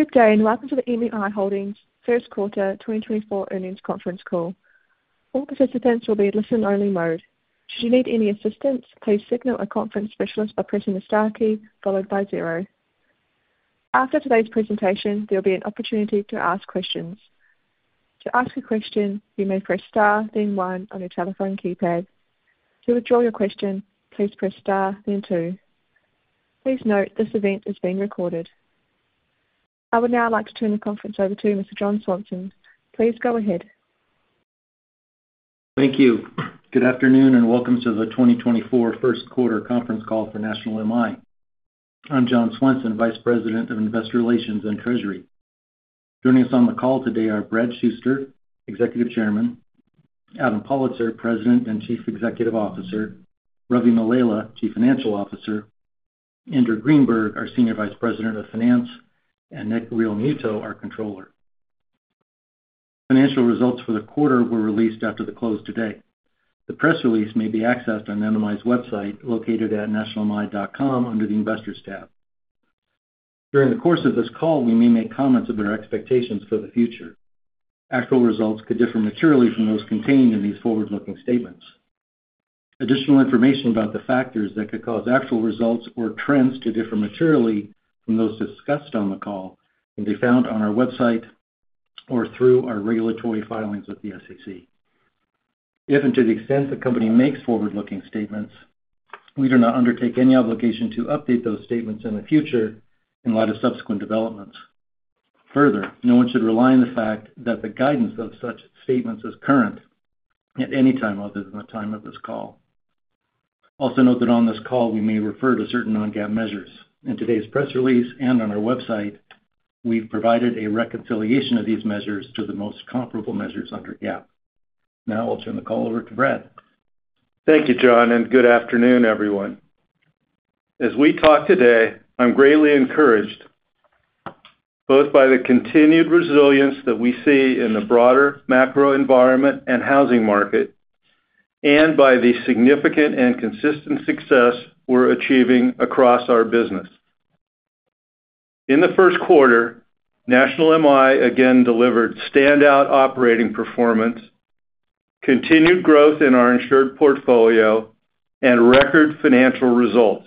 Good day, and welcome to the NMI Holdings first quarter 2024 earnings conference call. All participants will be in listen-only mode. Should you need any assistance, please signal a conference specialist by pressing the star key followed by zero. After today's presentation, there'll be an opportunity to ask questions. To ask a question, you may press star, then one on your telephone keypad. To withdraw your question, please press star, then two. Please note, this event is being recorded. I would now like to turn the conference over to Mr. John Swenson. Please go ahead. Thank you. Good afternoon, and welcome to the 2024 first quarter conference call for National MI. I'm John Swenson, Vice President of Investor Relations and Treasury. Joining us on the call today are Brad Shuster, Executive Chairman, Adam Pollitzer, President and Chief Executive Officer, Ravi Mallela, Chief Financial Officer, Andrew Greenberg, our Senior Vice President of Finance, and Nick Realmuto, our Controller. Financial results for the quarter were released after the close today. The press release may be accessed on NMI's website, located at nationalmi.com, under the Investors tab. During the course of this call, we may make comments about our expectations for the future. Actual results could differ materially from those contained in these forward-looking statements. Additional information about the factors that could cause actual results or trends to differ materially from those discussed on the call may be found on our website or through our regulatory filings with the SEC. If and to the extent the company makes forward-looking statements, we do not undertake any obligation to update those statements in the future in light of subsequent developments. Further, no one should rely on the fact that the guidance of such statements is current at any time other than the time of this call. Also note that on this call, we may refer to certain non-GAAP measures. In today's press release and on our website, we've provided a reconciliation of these measures to the most comparable measures under GAAP. Now I'll turn the call over to Brad. Thank you, John, and good afternoon, everyone. As we talk today, I'm greatly encouraged both by the continued resilience that we see in the broader macro environment and housing market, and by the significant and consistent success we're achieving across our business. In the first quarter, National MI again delivered standout operating performance, continued growth in our insured portfolio, and record financial results.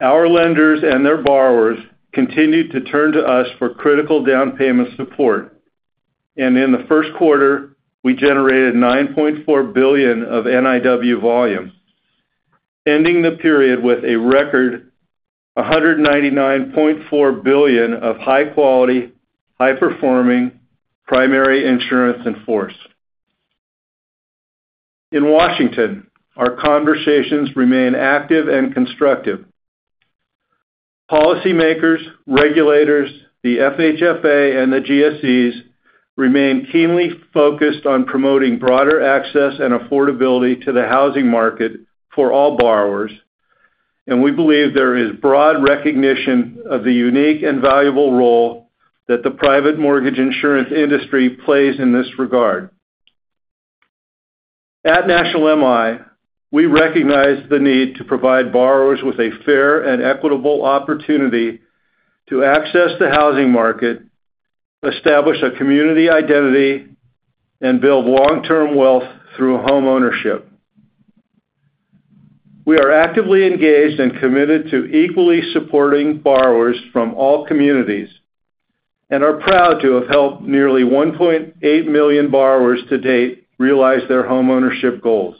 Our lenders and their borrowers continued to turn to us for critical down payment support, and in the first quarter, we generated $9.4 billion of NIW volume, ending the period with a record $199.4 billion of high quality, high-performing primary insurance in force. In Washington, our conversations remain active and constructive. Policymakers, regulators, the FHFA, and the GSEs remain keenly focused on promoting broader access and affordability to the housing market for all borrowers, and we believe there is broad recognition of the unique and valuable role that the private mortgage insurance industry plays in this regard. At National MI, we recognize the need to provide borrowers with a fair and equitable opportunity to access the housing market, establish a community identity, and build long-term wealth through homeownership. We are actively engaged and committed to equally supporting borrowers from all communities, and are proud to have helped nearly 1.8 million borrowers to date realize their homeownership goals.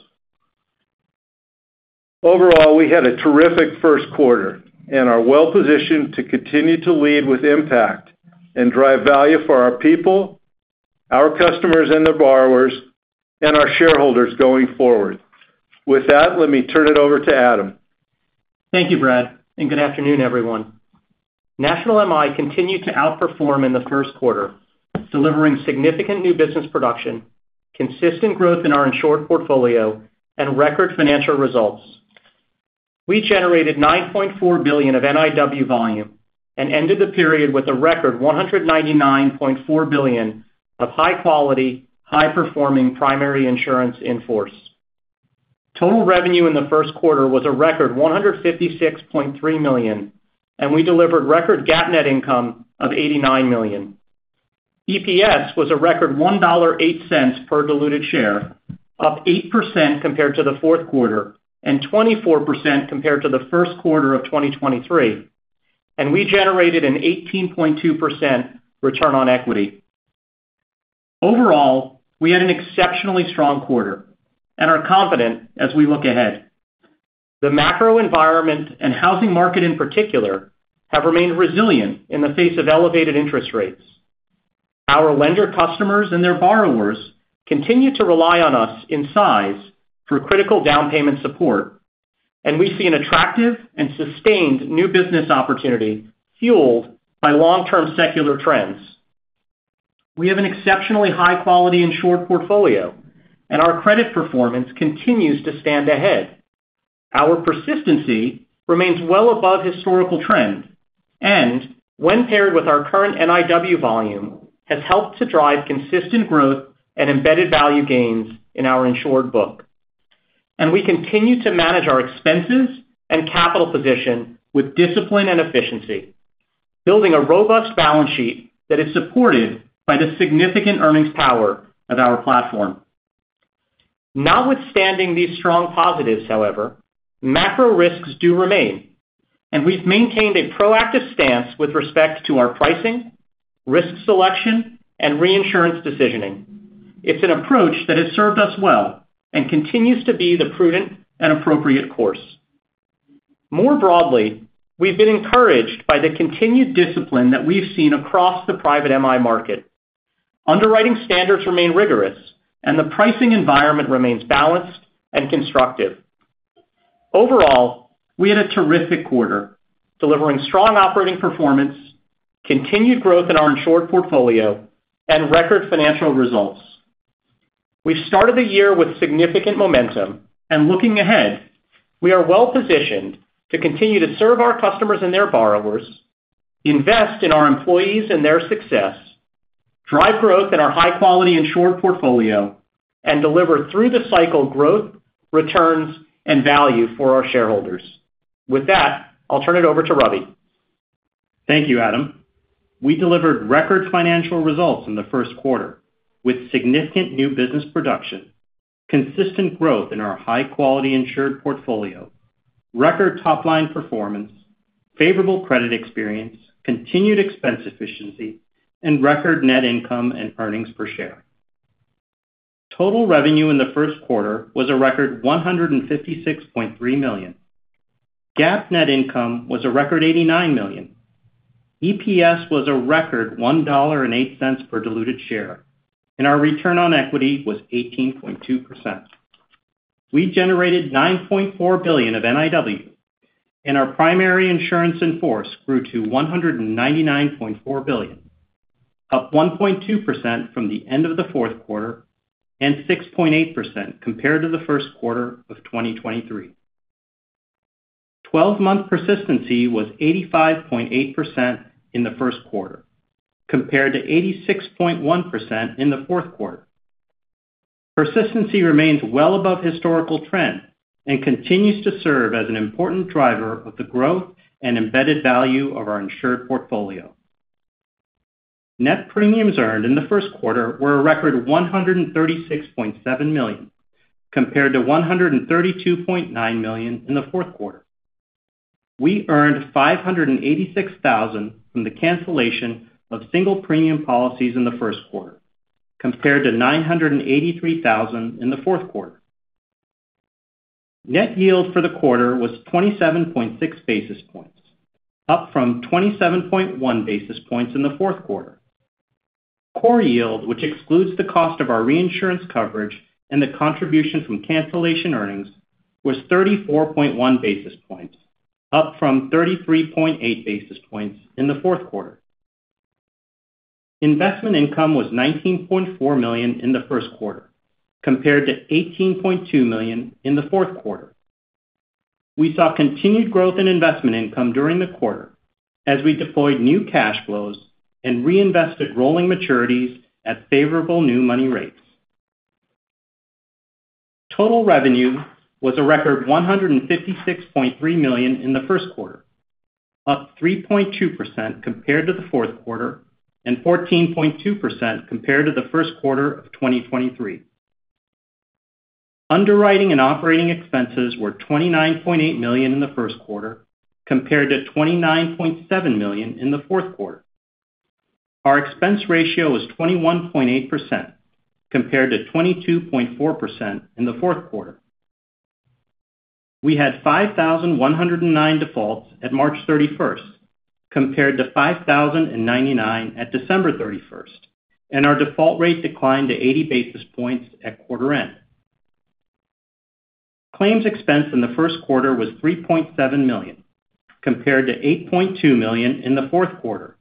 Overall, we had a terrific first quarter and are well-positioned to continue to lead with impact and drive value for our people, our customers and their borrowers, and our shareholders going forward. With that, let me turn it over to Adam. Thank you, Brad, and good afternoon, everyone. National MI continued to outperform in the first quarter, delivering significant new business production, consistent growth in our insured portfolio, and record financial results. We generated $9.4 billion of NIW volume and ended the period with a record $199.4 billion of high quality, high-performing primary insurance in force. Total revenue in the first quarter was a record $156.3 million, and we delivered record GAAP net income of $89 million. EPS was a record $1.08 per diluted share, up 8% compared to the fourth quarter, and 24% compared to the first quarter of 2023, and we generated an 18.2% return on equity. Overall, we had an exceptionally strong quarter and are confident as we look ahead. The macro environment and housing market in particular have remained resilient in the face of elevated interest rates. Our lenders, customers, and their borrowers continue to rely on us in size through critical down payment support, and we see an attractive and sustained new business opportunity fueled by long-term secular trends. We have an exceptionally high-quality insured portfolio, and our credit performance continues to stand ahead. Our persistency remains well above historical trend and when paired with our current NIW volume, has helped to drive consistent growth and embedded value gains in our insured book. And we continue to manage our expenses and capital position with discipline and efficiency, building a robust balance sheet that is supported by the significant earnings power of our platform. Notwithstanding these strong positives, however, macro risks do remain, and we've maintained a proactive stance with respect to our pricing, risk selection, and reinsurance decisioning. It's an approach that has served us well and continues to be the prudent and appropriate course. More broadly, we've been encouraged by the continued discipline that we've seen across the private MI market. Underwriting standards remain rigorous, and the pricing environment remains balanced and constructive. Overall, we had a terrific quarter, delivering strong operating performance, continued growth in our insured portfolio, and record financial results. We've started the year with significant momentum, and looking ahead, we are well-positioned to continue to serve our customers and their borrowers, invest in our employees and their success, drive growth in our high-quality insured portfolio, and deliver through the cycle growth, returns, and value for our shareholders. With that, I'll turn it over to Ravi. Thank you, Adam. We delivered record financial results in the first quarter, with significant new business production, consistent growth in our high-quality insured portfolio, record top-line performance, favorable credit experience, continued expense efficiency, and record net income and earnings per share. Total revenue in the first quarter was a record $156.3 million. GAAP net income was a record $89 million. EPS was a record $1.08 per diluted share, and our return on equity was 18.2%. We generated $9.4 billion of NIW, and our primary insurance in force grew to $199.4 billion, up 1.2% from the end of the fourth quarter and 6.8% compared to the first quarter of 2023. Twelve-month persistency was 85.8% in the first quarter, compared to 86.1% in the fourth quarter. Persistency remains well above historical trend and continues to serve as an important driver of the growth and embedded value of our insured portfolio. Net premiums earned in the first quarter were a record $136.7 million, compared to $132.9 million in the fourth quarter. We earned $586,000 from the cancellation of single premium policies in the first quarter, compared to $983,000 in the fourth quarter. Net yield for the quarter was 27.6 basis points, up from 27.1 basis points in the fourth quarter. Core yield, which excludes the cost of our reinsurance coverage and the contribution from cancellation earnings, was 34.1 basis points, up from 33.8 basis points in the fourth quarter. Investment income was $19.4 million in the first quarter, compared to $18.2 million in the fourth quarter. We saw continued growth in investment income during the quarter as we deployed new cash flows and reinvested rolling maturities at favorable new money rates. Total revenue was a record $156.3 million in the first quarter, up 3.2% compared to the fourth quarter, and 14.2% compared to the first quarter of 2023. Underwriting and operating expenses were $29.8 million in the first quarter, compared to $29.7 million in the fourth quarter. Our expense ratio was 21.8%, compared to 22.4% in the fourth quarter. We had 5,109 defaults at March 31st, compared to 5,099 at December 31st, and our default rate declined to 80 basis points at quarter end. Claims expense in the first quarter was $3.7 million, compared to $8.2 million in the fourth quarter.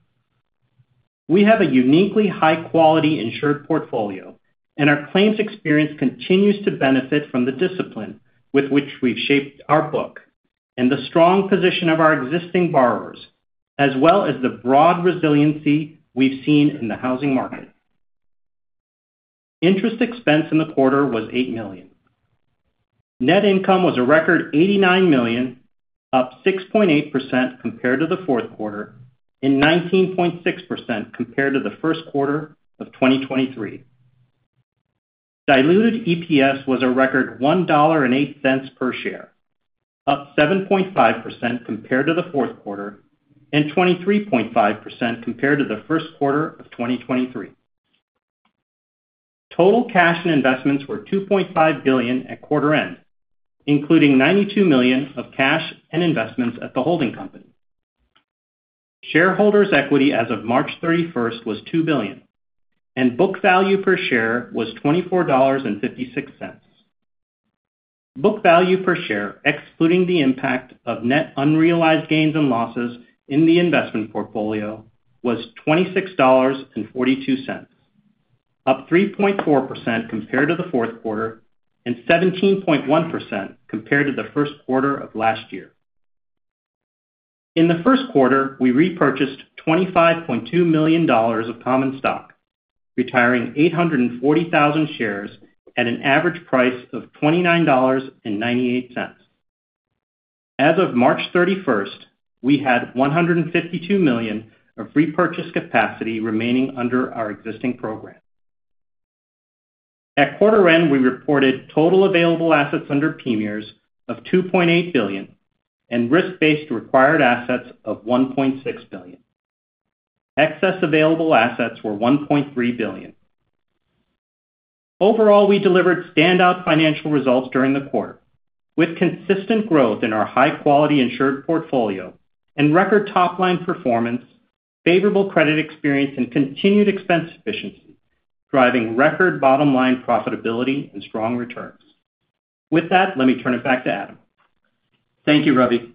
We have a uniquely high-quality insured portfolio, and our claims experience continues to benefit from the discipline with which we've shaped our book and the strong position of our existing borrowers, as well as the broad resiliency we've seen in the housing market. Interest expense in the quarter was $8 million. Net income was a record $89 million, up 6.8% compared to the fourth quarter, and 19.6% compared to the first quarter of 2023. Diluted EPS was a record $1.08 per share, up 7.5% compared to the fourth quarter and 23.5% compared to the first quarter of 2023. Total cash and investments were $2.5 billion at quarter end, including $92 million of cash and investments at the holding company. Shareholders' equity as of March 31st was $2 billion, and book value per share was $24.56. Book value per share, excluding the impact of net unrealized gains and losses in the investment portfolio, was $26.42, up 3.4% compared to the fourth quarter and 17.1% compared to the first quarter of last year. In the first quarter, we repurchased $25.2 million of common stock, retiring 840,000 shares at an average price of $29.98. As of March 31st, we had $152 million of repurchase capacity remaining under our existing program. At quarter end, we reported total available assets under PMIERs of $2.8 billion and risk-based required assets of $1.6 billion. Excess available assets were $1.3 billion. Overall, we delivered standout financial results during the quarter, with consistent growth in our high-quality insured portfolio and record top-line performance, favorable credit experience, and continued expense efficiency, driving record bottom line profitability and strong returns. With that, let me turn it back to Adam. Thank you, Ravi.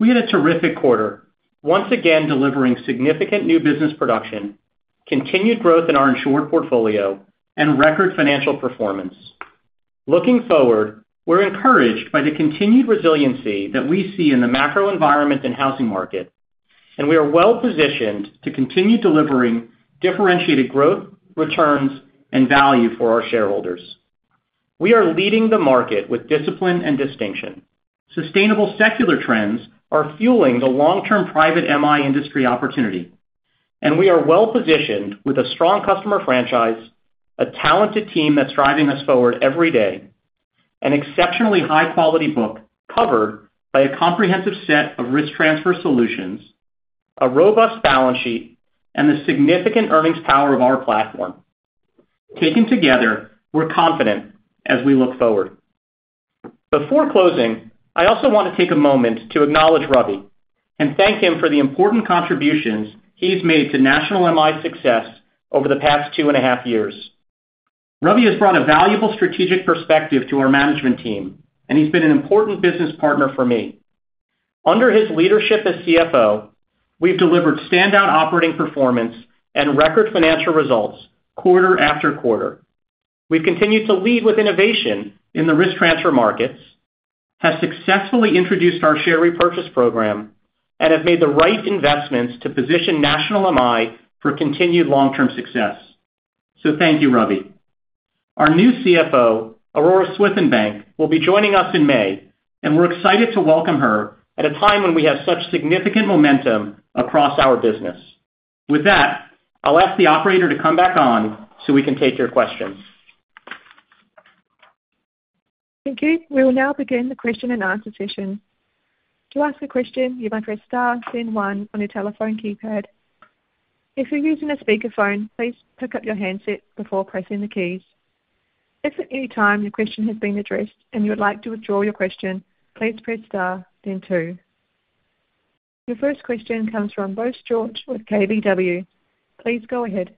We had a terrific quarter, once again, delivering significant new business production, continued growth in our insured portfolio, and record financial performance. Looking forward, we're encouraged by the continued resiliency that we see in the macro environment and housing market, and we are well-positioned to continue delivering differentiated growth, returns, and value for our shareholders. We are leading the market with discipline and distinction. Sustainable secular trends are fueling the long-term private MI industry opportunity, and we are well-positioned with a strong customer franchise, a talented team that's driving us forward every day, an exceptionally high-quality book covered by a comprehensive set of risk transfer solutions, a robust balance sheet, and the significant earnings power of our platform. Taken together, we're confident as we look forward. Before closing, I also want to take a moment to acknowledge Ravi and thank him for the important contributions he's made to National MI's success over the past two and a half years. Ravi has brought a valuable strategic perspective to our management team, and he's been an important business partner for me. Under his leadership as CFO, we've delivered standout operating performance and record financial results quarter after quarter. We've continued to lead with innovation in the risk transfer markets, have successfully introduced our share repurchase program, and have made the right investments to position National MI for continued long-term success. So thank you, Ravi. Our new CFO, Aurora Swithenbank, will be joining us in May, and we're excited to welcome her at a time when we have such significant momentum across our business. With that, I'll ask the operator to come back on so we can take your questions. Thank you. We will now begin the question-and-answer session. To ask a question, you may press star then one on your telephone keypad. If you're using a speakerphone, please pick up your handset before pressing the keys. If at any time your question has been addressed and you would like to withdraw your question, please press star then two. Your first question comes from Bose George with KBW. Please go ahead.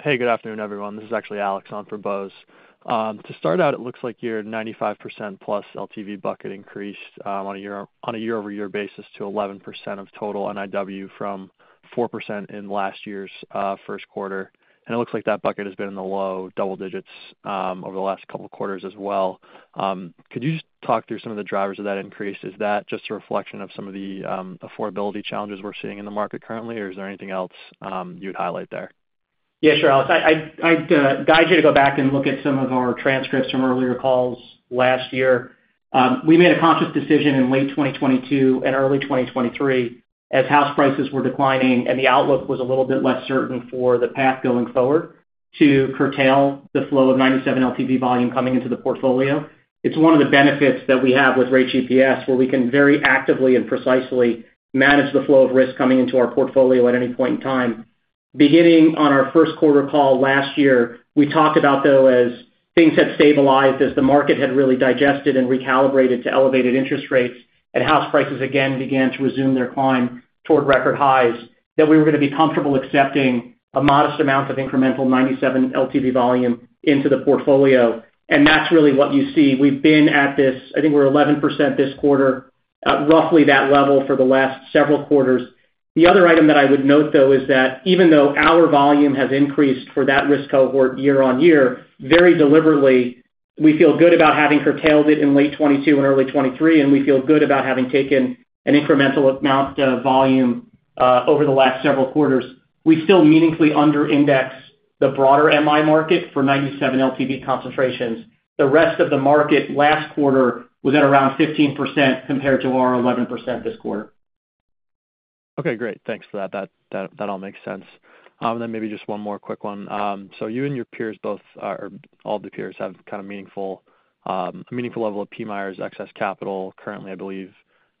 Hey, good afternoon, everyone. This is actually Alex on for Bose. To start out, it looks like your 95%+ LTV bucket increased on a year-over-year basis to 11% of total NIW from 4% in last year's first quarter. And it looks like that bucket has been in the low double digits over the last couple of quarters as well. Could you just talk through some of the drivers of that increase? Is that just a reflection of some of the affordability challenges we're seeing in the market currently, or is there anything else you'd highlight there? Yeah, sure, Alex. I'd guide you to go back and look at some of our transcripts from earlier calls last year. We made a conscious decision in late 2022 and early 2023, as house prices were declining and the outlook was a little bit less certain for the path going forward, to curtail the flow of 97 LTV volume coming into the portfolio. It's one of the benefits that we have with Rate GPS, where we can very actively and precisely manage the flow of risk coming into our portfolio at any point in time. Beginning on our first quarter call last year, we talked about, though, as things had stabilized, as the market had really digested and recalibrated to elevated interest rates and house prices again began to resume their climb toward record highs, that we were gonna be comfortable accepting a modest amount of incremental 97 LTV volume into the portfolio, and that's really what you see. We've been at this, I think we're 11% this quarter, at roughly that level for the last several quarters. The other item that I would note, though, is that even though our volume has increased for that risk cohort year-on-year, very deliberately, we feel good about having curtailed it in late 2022 and early 2023, and we feel good about having taken an incremental amount of volume over the last several quarters. We still meaningfully under index the broader MI market for 97 LTV concentrations. The rest of the market last quarter was at around 15% compared to our 11% this quarter. Okay, great. Thanks for that. That all makes sense. Then maybe just one more quick one. So you and your peers, both are, or all of the peers, have kind of meaningful, a meaningful level of PMIERs excess capital. Currently, I believe,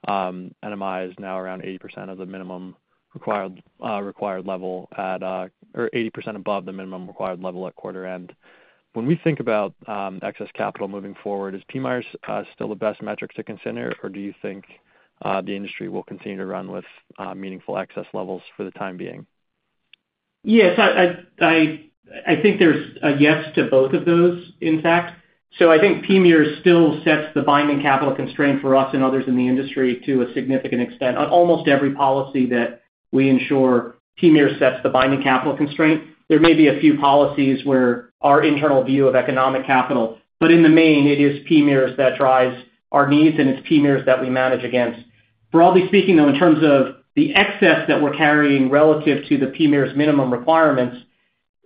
NMI is now around 80% of the minimum required level, or 80% above the minimum required level at quarter end. When we think about excess capital moving forward, is PMIERs still the best metric to consider, or do you think the industry will continue to run with meaningful excess levels for the time being? Yes, I think there's a yes to both of those, in fact. So I think PMIERs still sets the binding capital constraint for us and others in the industry to a significant extent. On almost every policy that we insure, PMIERs sets the binding capital constraint. There may be a few policies where our internal view of economic capital, but in the main, it is PMIERs that drives our needs, and it's PMIERs that we manage against. Broadly speaking, though, in terms of the excess that we're carrying relative to the PMIERs' minimum requirements,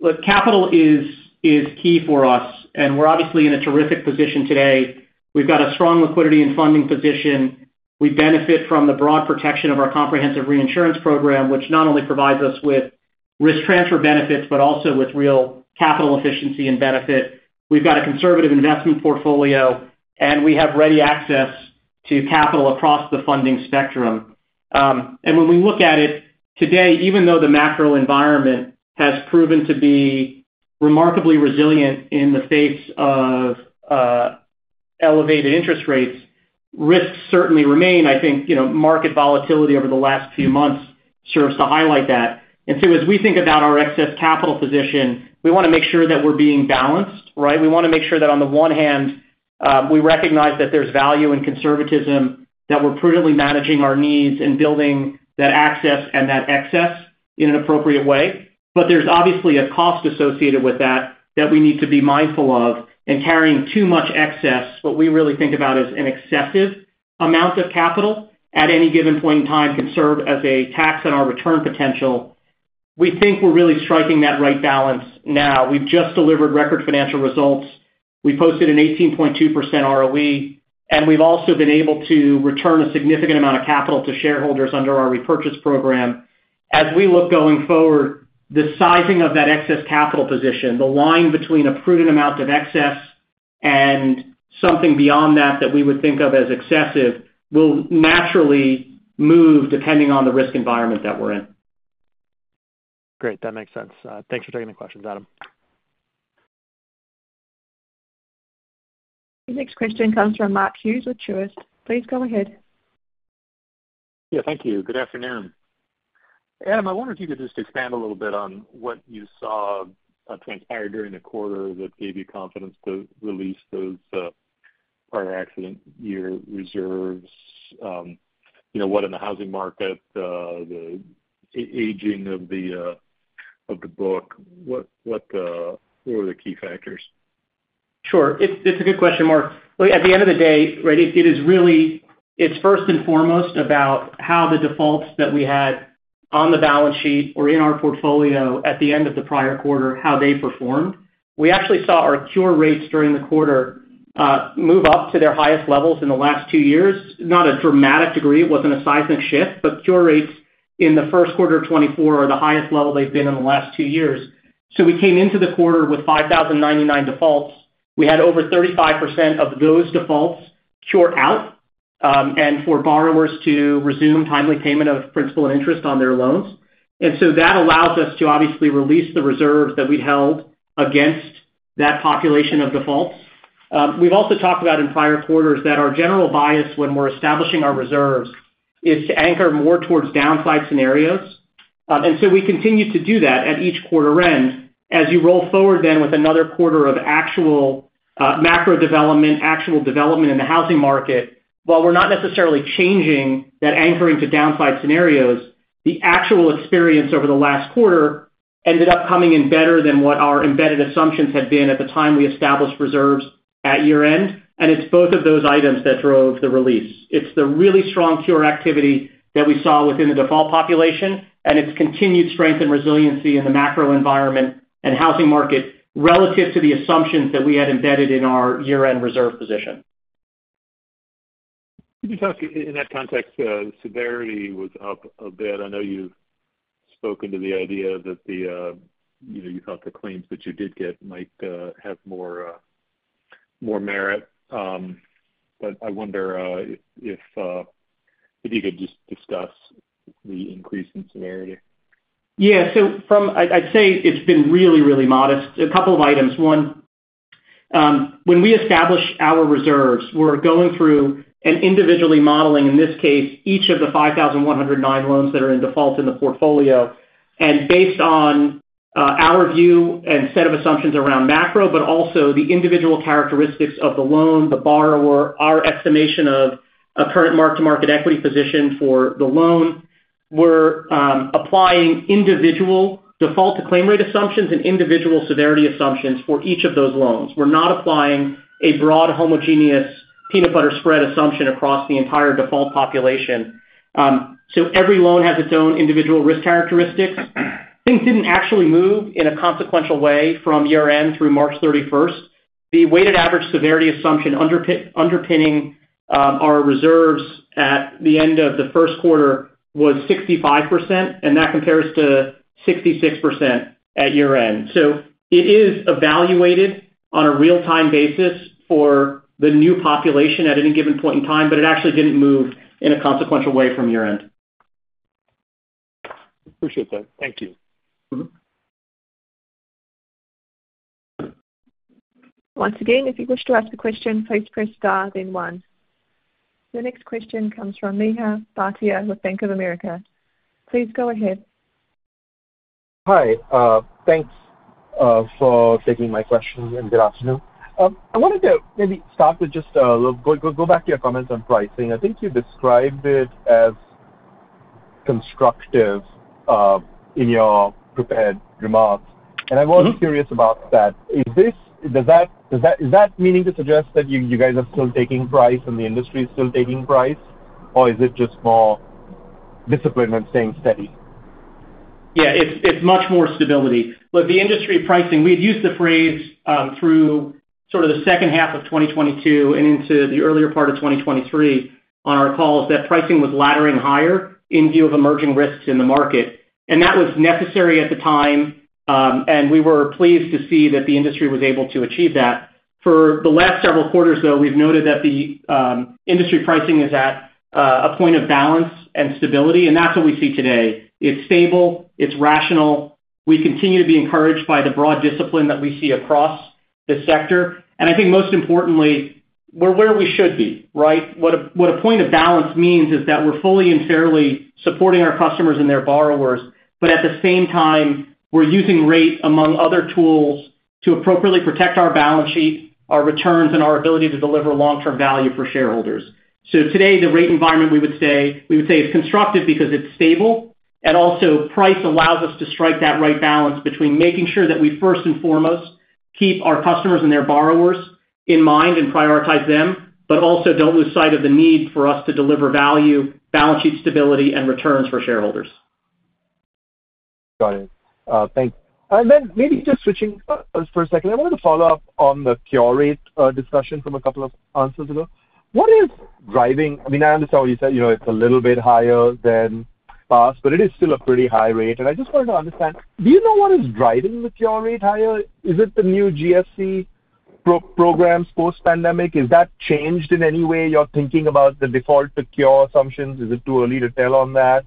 look, capital is key for us, and we're obviously in a terrific position today. We've got a strong liquidity and funding position. We benefit from the broad protection of our comprehensive reinsurance program, which not only provides us with risk transfer benefits, but also with real capital efficiency and benefit. We've got a conservative investment portfolio, and we have ready access to capital across the funding spectrum. And when we look at it, today, even though the macro environment has proven to be remarkably resilient in the face of elevated interest rates, risks certainly remain. I think, you know, market volatility over the last few months serves to highlight that. And so as we think about our excess capital position, we wanna make sure that we're being balanced, right? We wanna make sure that on the one hand, we recognize that there's value in conservatism, that we're prudently managing our needs and building that access and that excess in an appropriate way. But there's obviously a cost associated with that, that we need to be mindful of, and carrying too much excess, what we really think about as an excessive amount of capital at any given point in time, can serve as a tax on our return potential. We think we're really striking that right balance now. We've just delivered record financial results. We posted an 18.2% ROE, and we've also been able to return a significant amount of capital to shareholders under our repurchase program. As we look going forward, the sizing of that excess capital position, the line between a prudent amount of excess and something beyond that, that we would think of as excessive, will naturally move depending on the risk environment that we're in. Great, that makes sense. Thanks for taking the questions, Adam. The next question comes from Mark Hughes with Truist. Please go ahead. Yeah, thank you. Good afternoon. Adam, I wonder if you could just expand a little bit on what you saw transpire during the quarter that gave you confidence to release those prior accident year reserves. You know, what in the housing market, the aging of the book, what are the key factors? Sure. It's, it's a good question, Mark. Look, at the end of the day, right, it, it is really, it's first and foremost about how the defaults that we had on the balance sheet or in our portfolio at the end of the prior quarter, how they performed. We actually saw our cure rates during the quarter move up to their highest levels in the last two years. Not a dramatic degree, it wasn't a seismic shift, but cure rates in the first quarter of 2024 are the highest level they've been in the last two years. So we came into the quarter with 5,099 defaults. We had over 35% of those defaults cure out, and for borrowers to resume timely payment of principal and interest on their loans. That allows us to obviously release the reserves that we'd held against that population of defaults. We've also talked about in prior quarters that our general bias when we're establishing our reserves is to anchor more towards downside scenarios. We continue to do that at each quarter end. As you roll forward then with another quarter of actual, macro development, actual development in the housing market, while we're not necessarily changing that anchoring to downside scenarios, the actual experience over the last quarter ended up coming in better than what our embedded assumptions had been at the time we established reserves at year-end, and it's both of those items that drove the release. It's the really strong cure activity that we saw within the default population, and it's continued strength and resiliency in the macro environment and housing market relative to the assumptions that we had embedded in our year-end reserve position. Could you talk in that context, severity was up a bit. I know you've spoken to the idea that the you know, you thought the claims that you did get might have more more merit. But I wonder if you could just discuss the increase in severity? Yeah. So, I'd say it's been really, really modest. A couple of items. One, when we establish our reserves, we're going through and individually modeling, in this case, each of the 5,109 loans that are in default in the portfolio. And based on our view and set of assumptions around macro, but also the individual characteristics of the loan, the borrower, our estimation of a current mark-to-market equity position for the loan, we're applying individual default to claim rate assumptions and individual severity assumptions for each of those loans. We're not applying a broad, homogeneous peanut butter spread assumption across the entire default population. So every loan has its own individual risk characteristics. Things didn't actually move in a consequential way from year-end through March 31st. The weighted average severity assumption underpinning our reserves at the end of the first quarter was 65%, and that compares to 66% at year-end. It is evaluated on a real-time basis for the new population at any given point in time, but it actually didn't move in a consequential way from year-end. Appreciate that. Thank you. Mm-hmm. Once again, if you wish to ask a question, please press star then one. The next question comes from Mihir Bhatia with Bank of America. Please go ahead. Hi, thanks, for taking my question, and good afternoon. I wanted to maybe start with just a little, go back to your comments on pricing. I think you described it as constructive in your prepared remarks. I was curious about that. Is that meaning to suggest that you guys are still taking price and the industry is still taking price? Or is it just more discipline and staying steady? Yeah, it's, it's much more stability. Look, the industry pricing, we've used the phrase, through sort of the second half of 2022 and into the earlier part of 2023 on our calls, that pricing was laddering higher in view of emerging risks in the market. And that was necessary at the time, and we were pleased to see that the industry was able to achieve that. For the last several quarters, though, we've noted that the, industry pricing is at, a point of balance and stability, and that's what we see today. It's stable, it's rational. We continue to be encouraged by the broad discipline that we see across the sector. And I think most importantly, we're where we should be, right? What a point of balance means is that we're fully and fairly supporting our customers and their borrowers, but at the same time, we're using rate among other tools to appropriately protect our balance sheet, our returns, and our ability to deliver long-term value for shareholders. So today, the rate environment, we would say is constructive because it's stable, and also price allows us to strike that right balance between making sure that we first and foremost keep our customers and their borrowers in mind and prioritize them, but also don't lose sight of the need for us to deliver value, balance sheet stability, and returns for shareholders. Got it. Thank you. Then maybe just switching for a second. I wanted to follow up on the cure rate discussion from a couple of answers ago. What is driving, I mean, I understand what you said, you know, it's a little bit higher than past, but it is still a pretty high rate. And I just wanted to understand, do you know what is driving the cure rate higher? Is it the new GSE programs post-pandemic? Is that changed in any way you're thinking about the default to cure assumptions? Is it too early to tell on that?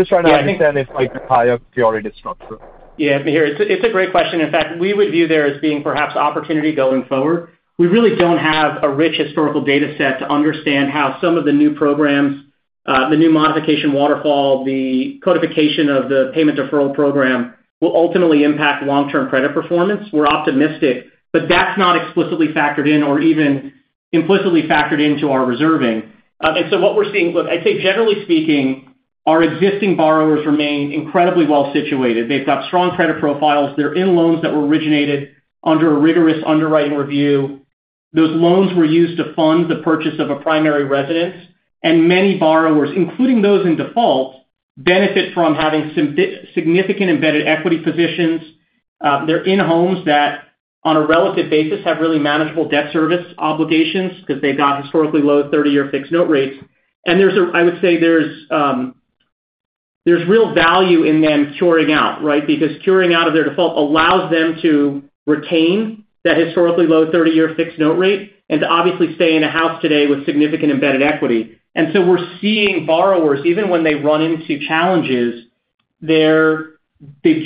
Just trying to understand. Yeah, I think. If like, the higher cure rate is structured. Yeah, Mihir, it's a great question. In fact, we would view there as being perhaps opportunity going forward. We really don't have a rich historical data set to understand how some of the new programs, the new modification waterfall, the codification of the Payment Deferral program, will ultimately impact long-term credit performance. We're optimistic, but that's not explicitly factored in or even implicitly factored into our reserving. And so what we're seeing. Look, I'd say, generally speaking, our existing borrowers remain incredibly well situated. They've got strong credit profiles. They're in loans that were originated under a rigorous underwriting review. Those loans were used to fund the purchase of a primary residence, and many borrowers, including those in default, benefit from having significant embedded equity positions. They're in homes that, on a relative basis, have really manageable debt service obligations because they've got historically low 30-year fixed note rates. And there's, I would say, real value in them curing out, right? Because curing out of their default allows them to retain that historically low 30-year fixed note rate, and to obviously stay in a house today with significant embedded equity. And so we're seeing borrowers, even when they run into challenges, they've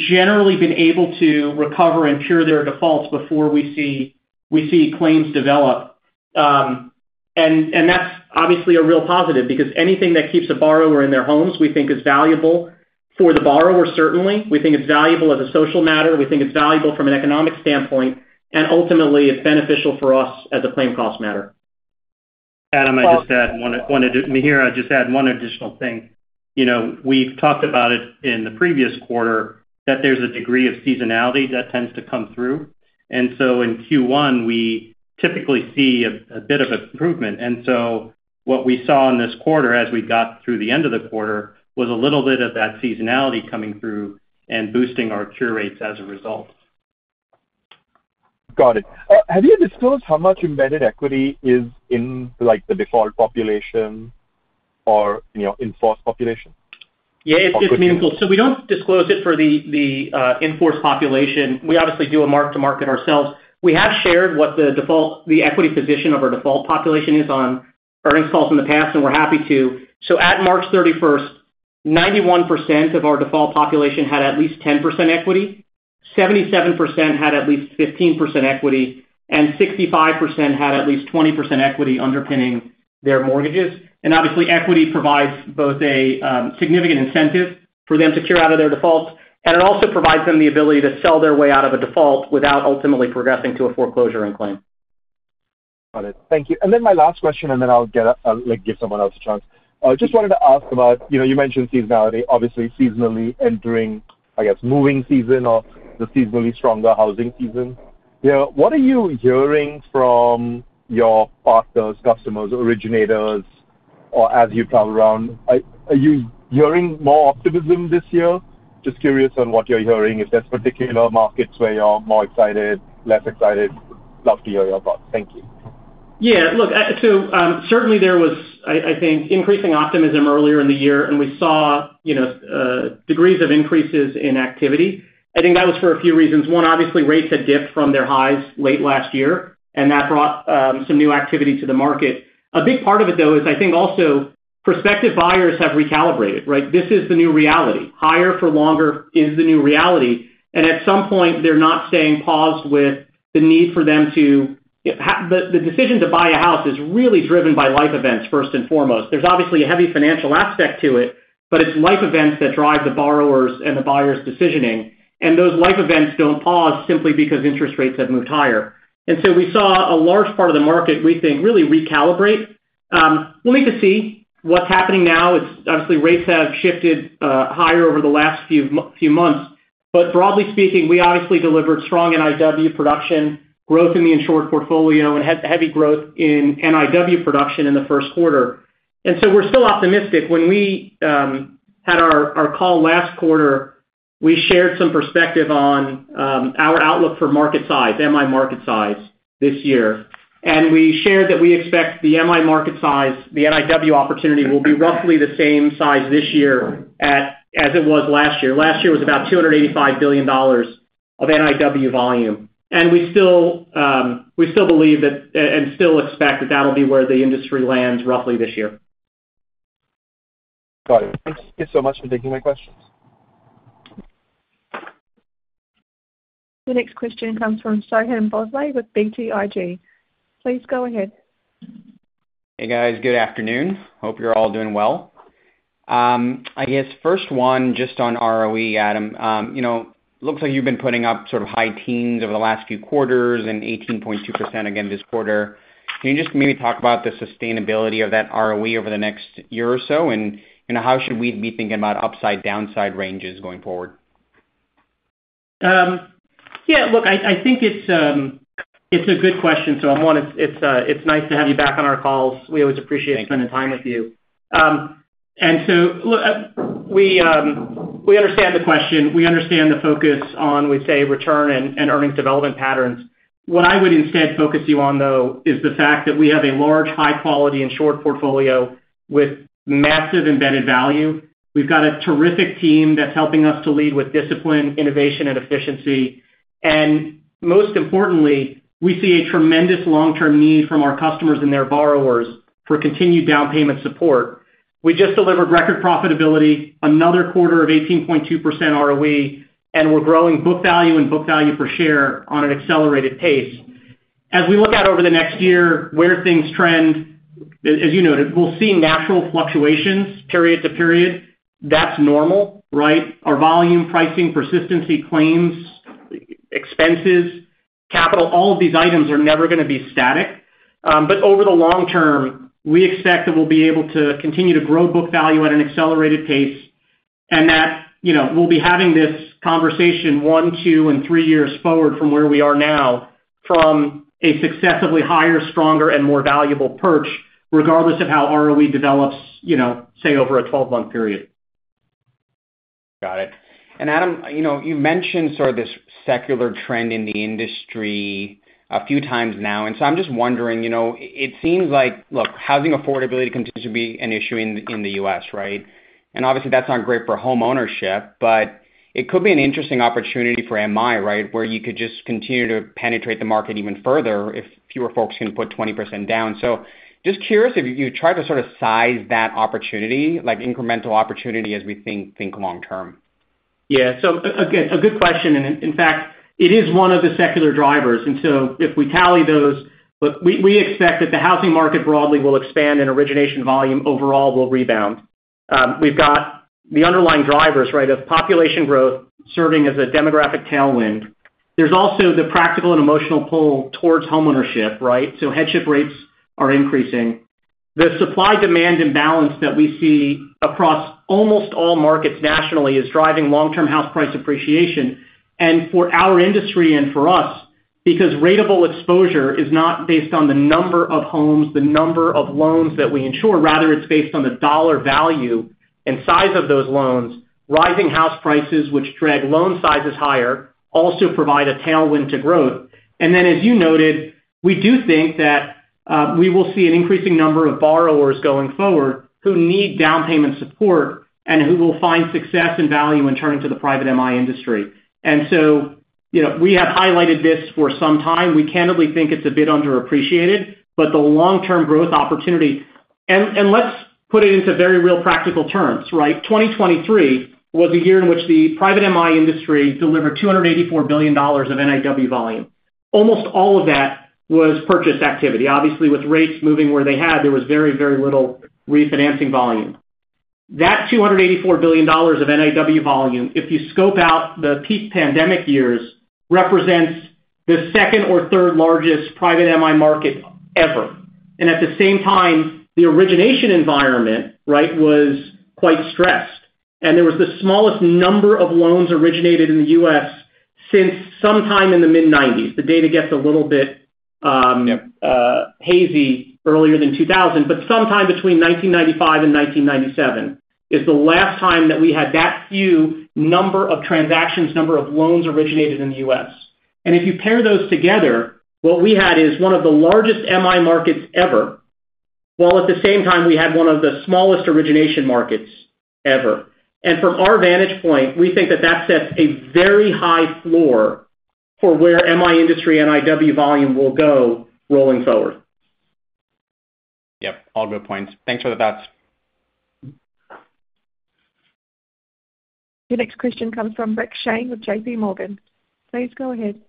generally been able to recover and cure their defaults before we see claims develop. And that's obviously a real positive, because anything that keeps a borrower in their homes, we think is valuable for the borrower, certainly. We think it's valuable as a social matter, we think it's valuable from an economic standpoint, and ultimately, it's beneficial for us as a claim cost matter. Adam, I'd just add one additional, Mihir, I'd just add one additional thing. You know, we've talked about it in the previous quarter, that there's a degree of seasonality that tends to come through. And so in Q1, we typically see a bit of improvement. And so what we saw in this quarter as we got through the end of the quarter, was a little bit of that seasonality coming through and boosting our cure rates as a result. Got it. Have you disclosed how much embedded equity is in, like, the default population or, you know, in force population? Yeah, it's meaningful. So we don't disclose it for the in force population. We obviously do a mark to market ourselves. We have shared what the default, the equity position of our default population is on earnings calls in the past, and we're happy to. So at March 31st, 91% of our default population had at least 10% equity, 77% had at least 15% equity, and 65% had at least 20% equity underpinning their mortgages. And obviously, equity provides both a significant incentive for them to cure out of their defaults, and it also provides them the ability to sell their way out of a default without ultimately progressing to a foreclosure and claim. Got it. Thank you. And then my last question, and then I'll get, like, give someone else a chance. I just wanted to ask about, you know, you mentioned seasonality, obviously seasonally entering, I guess, moving season or the seasonally stronger housing season. You know, what are you hearing from your partners, customers, originators, or as you travel around, are you hearing more optimism this year? Just curious on what you're hearing. If there's particular markets where you're more excited, less excited, love to hear your thoughts. Thank you. Yeah. Look, so, certainly there was, I think, increasing optimism earlier in the year, and we saw, you know, degrees of increases in activity. I think that was for a few reasons. One, obviously, rates had dipped from their highs late last year, and that brought some new activity to the market. A big part of it, though, is I think also prospective buyers have recalibrated, right? This is the new reality. Higher for longer is the new reality, and at some point, they're not staying paused with the need for them to the decision to buy a house is really driven by life events, first and foremost. There's obviously a heavy financial aspect to it, but it's life events that drive the borrowers and the buyers' decisioning, and those life events don't pause simply because interest rates have moved higher. We saw a large part of the market, we think, really recalibrate. We'll need to see what's happening now. It's obviously rates have shifted higher over the last few months. But broadly speaking, we obviously delivered strong NIW production growth in the insured portfolio and had heavy growth in NIW production in the first quarter. We're still optimistic. When we had our call last quarter, we shared some perspective on our outlook for market size, MI market size this year. We shared that we expect the MI market size, the NIW opportunity, will be roughly the same size this year as it was last year. Last year was about $285 billion of NIW volume. And we still believe that and still expect that that'll be where the industry lands roughly this year. Got it. Thank you so much for taking my questions. The next question comes from Soham Bhonsle with BTIG. Please go ahead. Hey, guys, good afternoon. Hope you're all doing well. I guess first one, just on ROE, Adam. You know, looks like you've been putting up sort of high teens over the last few quarters and 18.2% again this quarter. Can you just maybe talk about the sustainability of that ROE over the next year or so? And how should we be thinking about upside, downside ranges going forward? Yeah, look, I think it's a good question, Soham. It's nice to have you back on our calls. We always appreciate. Thank you. Spending time with you. And so, look, we understand the question. We understand the focus on, we say, return and earnings development patterns. What I would instead focus you on, though, is the fact that we have a large, high-quality insured portfolio with massive embedded value. We've got a terrific team that's helping us to lead with discipline, innovation, and efficiency. And most importantly, we see a tremendous long-term need from our customers and their borrowers for continued down payment support. We just delivered record profitability, another quarter of 18.2% ROE, and we're growing book value and book value per share on an accelerated pace. As we look out over the next year, where things trend, as you noted, we'll see natural fluctuations, period to period. That's normal, right? Our volume, pricing, persistency, claims, expenses, capital, all of these items are never gonna be static. But over the long term, we expect that we'll be able to continue to grow book value at an accelerated pace, and that, you know, we'll be having this conversation one, two, and three years forward from where we are now, from a successively higher, stronger, and more valuable perch, regardless of how ROE develops, you know, say, over a 12-month period. Got it. And Adam, you know, you've mentioned sort of this secular trend in the industry a few times now, and so I'm just wondering, you know, it seems like. Look, housing affordability continues to be an issue in the U.S., right? And obviously, that's not great for homeownership, but it could be an interesting opportunity for MI, right? Where you could just continue to penetrate the market even further if fewer folks can put 20% down. So just curious if you tried to sort of size that opportunity, like incremental opportunity, as we think long term. Yeah. So again, a good question, and in fact, it is one of the secular drivers. And so if we tally those, look, we expect that the housing market broadly will expand and origination volume overall will rebound. We've got the underlying drivers, right, of population growth serving as a demographic tailwind. There's also the practical and emotional pull towards homeownership, right? So headship rates are increasing. The supply-demand imbalance that we see across almost all markets nationally is driving long-term house price appreciation. And for our industry and for us, because ratable exposure is not based on the number of homes, the number of loans that we insure, rather, it's based on the dollar value and size of those loans, rising house prices, which drag loan sizes higher, also provide a tailwind to growth. And then, as you noted, we do think that, we will see an increasing number of borrowers going forward who need down payment support and who will find success and value in turning to the private MI industry. And so, you know, we have highlighted this for some time. We candidly think it's a bit underappreciated, but the long-term growth opportunity. And, and let's put it into very real practical terms, right? 2023 was a year in which the private MI industry delivered $284 billion of NIW volume. Almost all of that was purchase activity. Obviously, with rates moving where they had, there was very, very little refinancing volume. That $284 billion of NIW volume, if you scope out the peak pandemic years, represents the second or third largest private MI market ever. And at the same time, the origination environment, right, was quite stressed, and there was the smallest number of loans originated in the U.S. since sometime in the mid-1990s. The data gets a little bit hazy earlier than 2000, but sometime between 1995 and 1997 is the last time that we had that few number of transactions, number of loans originated in the U.S. And if you pair those together, what we had is one of the largest MI markets ever, while at the same time we had one of the smallest origination markets ever. And from our vantage point, we think that that sets a very high floor for where MI industry NIW volume will go rolling forward. Yep, all good points. Thanks for the thoughts. Your next question comes from Rick Shane with JPMorgan. Please go ahead.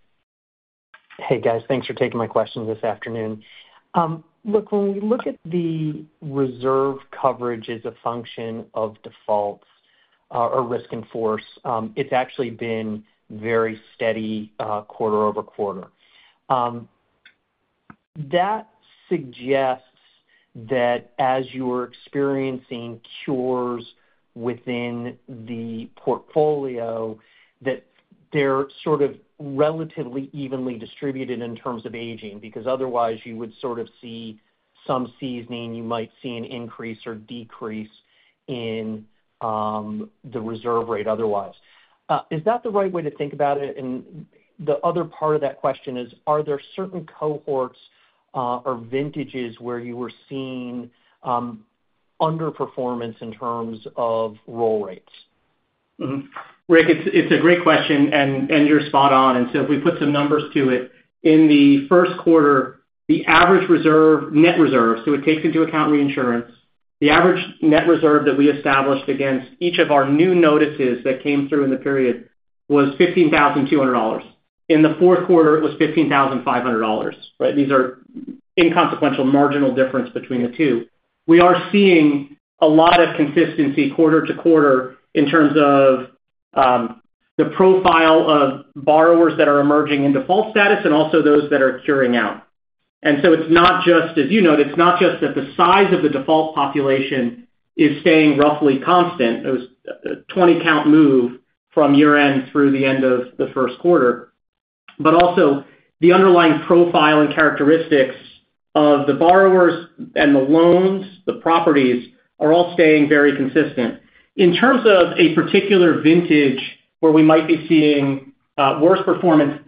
Hey, guys. Thanks for taking my question this afternoon. Look, when we look at the reserve coverage as a function of defaults, or risk in force, it's actually been very steady, quarter-over-quarter. That suggests that as you're experiencing cures within the portfolio, that they're sort of relatively evenly distributed in terms of aging, because otherwise, you would sort of see some seasoning, you might see an increase or decrease in the reserve rate otherwise. Is that the right way to think about it? And the other part of that question is, are there certain cohorts, or vintages where you were seeing underperformance in terms of roll rates? Mm-hmm. Rick, it's, it's a great question, and, and you're spot on. And so if we put some numbers to it, in the first quarter, the average reserve, net reserve, so it takes into account reinsurance. The average net reserve that we established against each of our new notices that came through in the period was $15,200. In the fourth quarter, it was $15,500, right? These are inconsequential marginal difference between the two. We are seeing a lot of consistency quarter to quarter in terms of the profile of borrowers that are emerging in default status and also those that are curing out. And so it's not just, as you noted, it's not just that the size of the default population is staying roughly constant. It was a 20-count move from year-end through the end of the first quarter. But also, the underlying profile and characteristics of the borrowers and the loans, the properties, are all staying very consistent. In terms of a particular vintage where we might be seeing worse performance,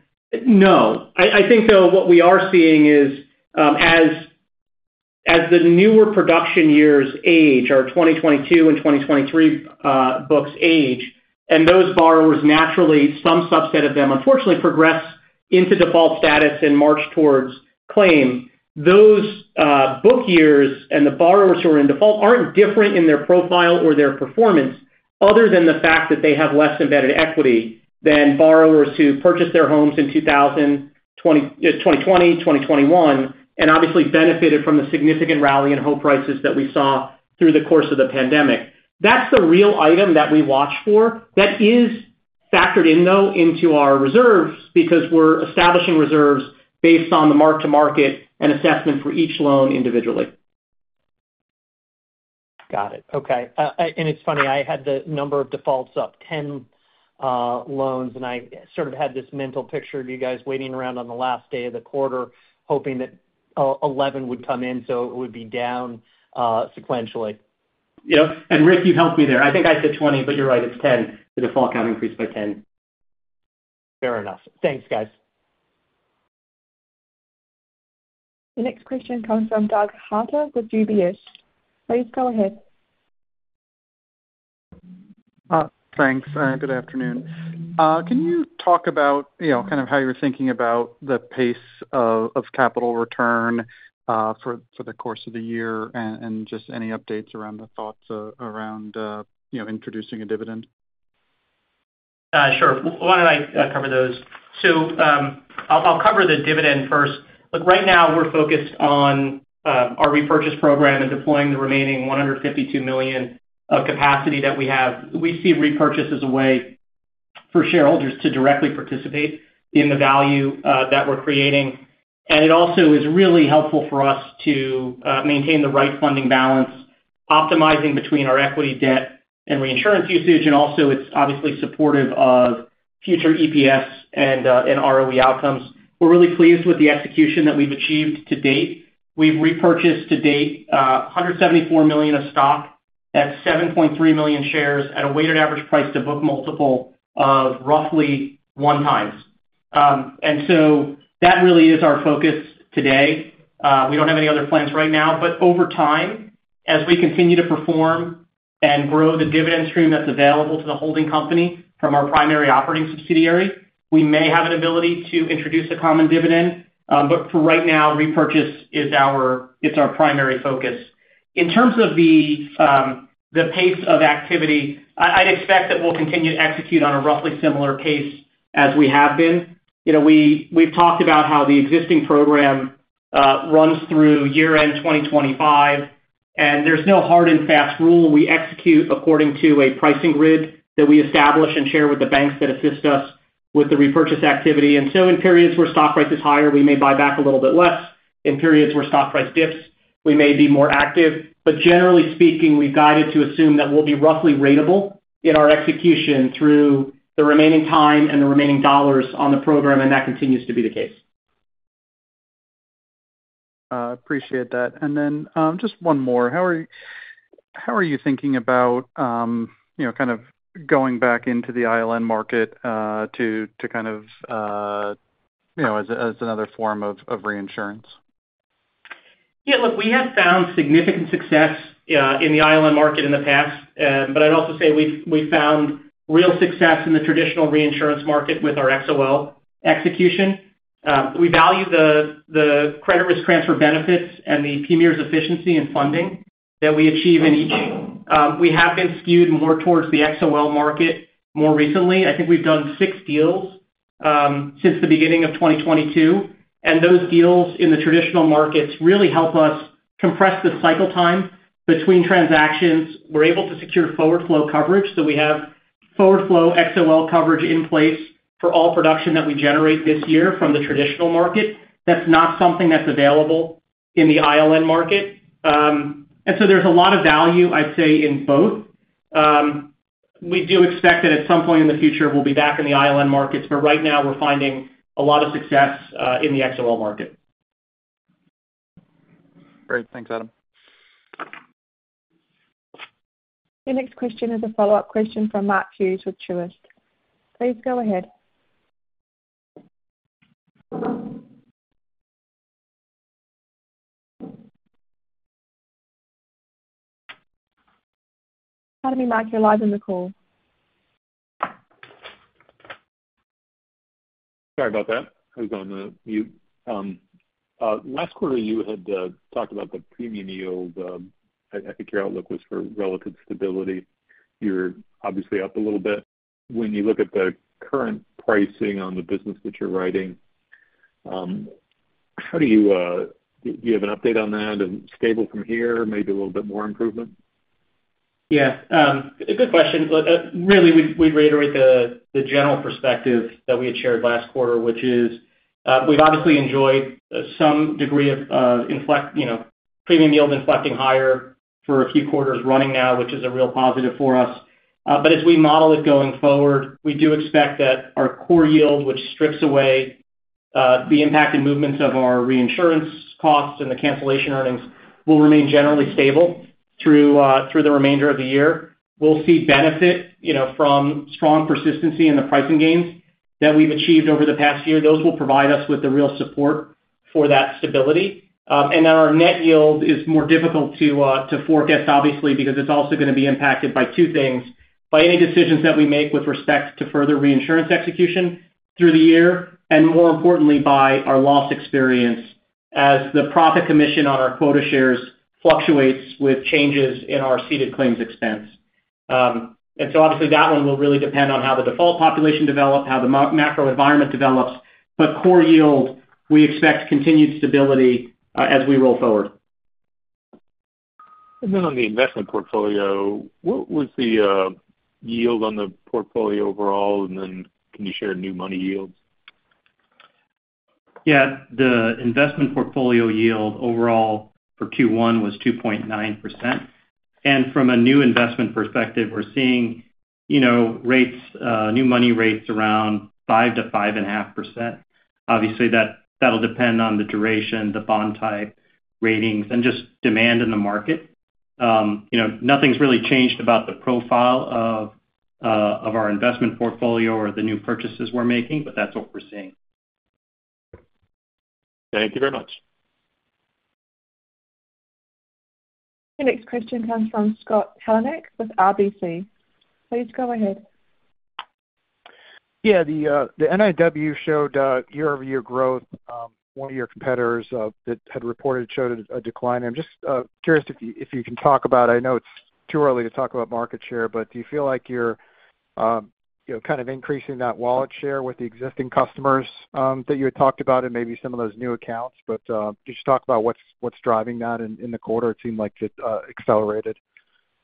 no. I, I think, though, what we are seeing is, as the newer production years age, our 2022 and 2023 books age, and those borrowers, naturally, some subset of them unfortunately progress into default status and march towards claim. Those book years and the borrowers who are in default aren't different in their profile or their performance, other than the fact that they have less embedded equity than borrowers who purchased their homes in 2020, 2021, and obviously benefited from the significant rally in home prices that we saw through the course of the pandemic. That's the real item that we watch for. That is factored in, though, into our reserves, because we're establishing reserves based on the mark-to-market and assessment for each loan individually. Got it. Okay. And it's funny, I had the number of defaults up 10 loans, and I sort of had this mental picture of you guys waiting around on the last day of the quarter, hoping that 11 would come in, so it would be down sequentially. Yep. Rick, you've helped me there. I think I said 20, but you're right, it's 10. The default count increased by 10. Fair enough. Thanks, guys. The next question comes from Doug Harter with UBS. Please go ahead. Thanks, and good afternoon. Can you talk about, you know, kind of how you're thinking about the pace of capital return for the course of the year, and just any updates around the thoughts around, you know, introducing a dividend? Sure. Why don't I cover those? I'll cover the dividend first. Look, right now, we're focused on our repurchase program and deploying the remaining $152 million of capacity that we have. We see repurchase as a way for shareholders to directly participate in the value that we're creating. And it also is really helpful for us to maintain the right funding balance, optimizing between our equity, debt, and reinsurance usage, and also it's obviously supportive of future EPS and ROE outcomes. We're really pleased with the execution that we've achieved to date. We've repurchased to date $174 million of stock at 7.3 million shares at a weighted average price to book multiple of roughly 1x. And so that really is our focus today. We don't have any other plans right now, but over time, as we continue to perform and grow the dividend stream that's available to the holding company from our primary operating subsidiary, we may have an ability to introduce a common dividend. But for right now, repurchase is our, it's our primary focus. In terms of the pace of activity, I'd expect that we'll continue to execute on a roughly similar pace as we have been. You know, we've talked about how the existing program runs through year-end 2025, and there's no hard and fast rule. We execute according to a pricing grid that we establish and share with the banks that assist us with the repurchase activity. And so in periods where stock price is higher, we may buy back a little bit less. In periods where stock price dips, we may be more active. But generally speaking, we've guided to assume that we'll be roughly ratable in our execution through the remaining time and the remaining dollars on the program, and that continues to be the case. Appreciate that. And then, just one more. How are you thinking about, you know, kind of going back into the ILN market, to kind of, you know, as another form of reinsurance? Yeah, look, we have found significant success in the ILN market in the past. But I'd also say we've found real success in the traditional reinsurance market with our XOL execution. We value the credit risk transfer benefits and the premiums efficiency in funding that we achieve in each. We have been skewed more towards the XOL market more recently. I think we've done six deals since the beginning of 2022, and those deals in the traditional markets really help us compress the cycle time between transactions. We're able to secure forward flow coverage, so we have forward flow XOL coverage in place for all production that we generate this year from the traditional market. That's not something that's available in the ILN market. And so there's a lot of value, I'd say, in both. We do expect that at some point in the future, we'll be back in the ILN markets, but right now we're finding a lot of success in the XOL market. Great. Thanks, Adam. Your next question is a follow-up question from Mark Hughes with Truist. Please go ahead. Pardon me, Mark, you're live on the call. Sorry about that. I was on the mute. Last quarter, you had talked about the premium yield. I think your outlook was for relative stability. You're obviously up a little bit. When you look at the current pricing on the business that you're writing, how do you. Do you have an update on that? Is it stable from here, maybe a little bit more improvement? Yeah. A good question. Look, really, we'd reiterate the general perspective that we had shared last quarter, which is, we've obviously enjoyed some degree of, you know, premium yield inflecting higher for a few quarters running now, which is a real positive for us. But as we model it going forward, we do expect that our core yield, which strips away the impact and movements of our reinsurance costs and the cancellation earnings, will remain generally stable through the remainder of the year. We'll see benefit, you know, from strong persistency in the pricing gains that we've achieved over the past year. Those will provide us with the real support for that stability. Then our net yield is more difficult to forecast, obviously, because it's also gonna be impacted by two things: by any decisions that we make with respect to further reinsurance execution through the year, and more importantly, by our loss experience as the profit commission on our quota shares fluctuates with changes in our ceded claims expense. So obviously, that one will really depend on how the default population develop, how the macro environment develops. But core yield, we expect continued stability, as we roll forward. Then on the investment portfolio, what was the yield on the portfolio overall, and then can you share new money yields? Yeah. The investment portfolio yield overall for Q1 was 2.9%. And from a new investment perspective, we're seeing, you know, rates, new money rates around 5%-5.5%. Obviously, that, that'll depend on the duration, the bond type, ratings, and just demand in the market. You know, nothing's really changed about the profile of, of our investment portfolio or the new purchases we're making, but that's what we're seeing. Thank you very much. Your next question comes from Scott Heleniak with RBC. Please go ahead. Yeah. The NIW showed year-over-year growth. One of your competitors that had reported showed a decline. I'm just curious if you can talk about. I know it's too early to talk about market share, but do you feel like you're you know kind of increasing that wallet share with the existing customers that you had talked about and maybe some of those new accounts? But just talk about what's driving that in the quarter. It seemed like it accelerated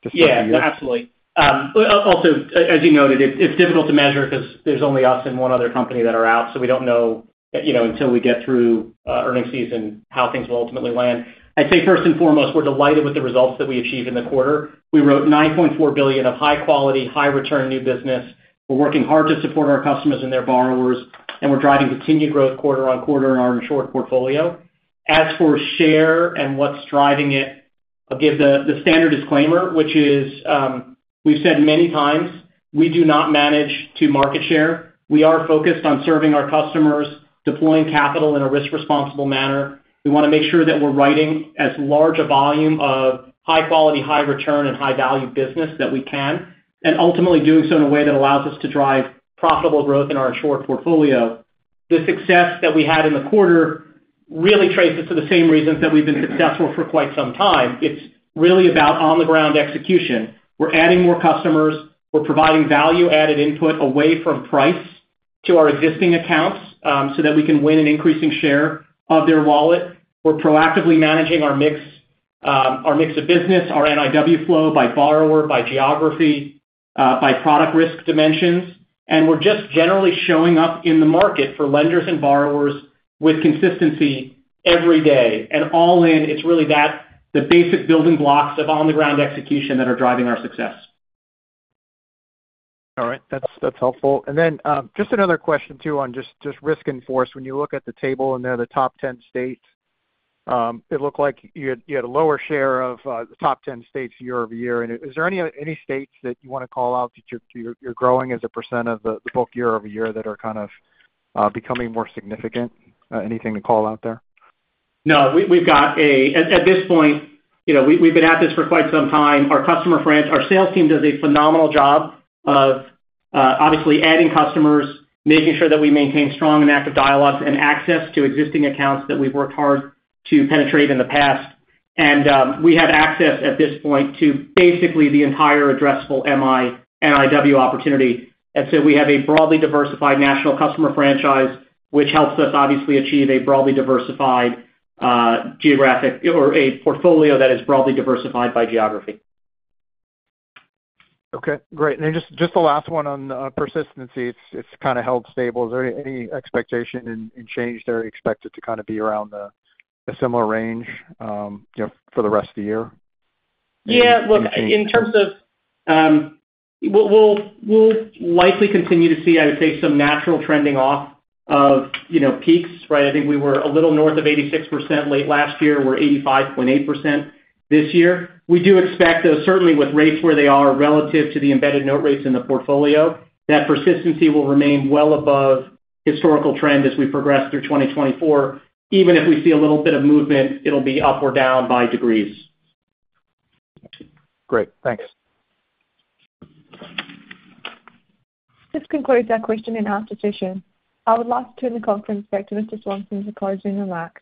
just over the years. Yeah, absolutely. But also, as you noted, it's difficult to measure 'cause there's only us and one other company that are out, so we don't know, you know, until we get through earnings season, how things will ultimately land. I'd say first and foremost, we're delighted with the results that we achieved in the quarter. We wrote $9.4 billion of high quality, high return new business. We're working hard to support our customers and their borrowers, and we're driving continued growth quarter on quarter in our insured portfolio. As for share and what's driving it, I'll give the standard disclaimer, which is, we've said many times, we do not manage to market share. We are focused on serving our customers, deploying capital in a risk-responsible manner. We wanna make sure that we're writing as large a volume of high quality, high return, and high value business that we can, and ultimately doing so in a way that allows us to drive profitable growth in our insured portfolio. The success that we had in the quarter really traces to the same reasons that we've been successful for quite some time. It's really about on-the-ground execution. We're adding more customers. We're providing value-added input away from price to our existing accounts, so that we can win an increasing share of their wallet. We're proactively managing our mix, our mix of business, our NIW flow by borrower, by geography, by product risk dimensions. And we're just generally showing up in the market for lenders and borrowers with consistency every day. All in, it's really that, the basic building blocks of on-the-ground execution that are driving our success. All right. That's helpful. And then just another question, too, on just insurance in force. When you look at the table in there, the top 10 states, it looked like you had a lower share of the top 10 states year-over-year. And is there any states that you wanna call out that you're growing as a percent of the book year-over-year, that are kind of becoming more significant? Anything to call out there? No, we've got a. At this point, you know, we've been at this for quite some time. Our customer franchise, our sales team does a phenomenal job of obviously adding customers, making sure that we maintain strong and active dialogues and access to existing accounts that we've worked hard to penetrate in the past. And we have access at this point to basically the entire addressable MI NIW opportunity. And so we have a broadly diversified national customer franchise, which helps us obviously achieve a broadly diversified geographic or a portfolio that is broadly diversified by geography. Okay, great. And then just the last one on persistency. It's kinda held stable. Is there any expectation and change there expected to kinda be around the similar range, you know, for the rest of the year? Yeah. Look, in terms of. We'll likely continue to see, I would say, some natural trending off of, you know, peaks, right? I think we were a little north of 86% late last year. We're 85.8% this year. We do expect, though, certainly with rates where they are relative to the embedded note rates in the portfolio, that persistency will remain well above historical trend as we progress through 2024. Even if we see a little bit of movement, it'll be up or down by degrees. Great. Thanks. This concludes our question-and-answer session. I would like to turn the conference back to Mr. Swenson to closing remarks.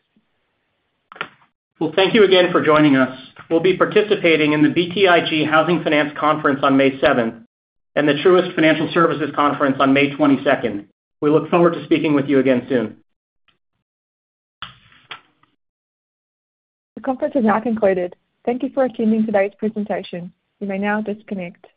Well, thank you again for joining us. We'll be participating in the BTIG Housing Finance Conference on May 7, and the Truist Financial Services Conference on May 22nd. We look forward to speaking with you again soon. The conference is now concluded. Thank you for attending today's presentation. You may now disconnect.